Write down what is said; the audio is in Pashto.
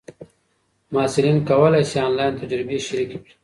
محصلین کولای سي آنلاین تجربې شریکې کړي.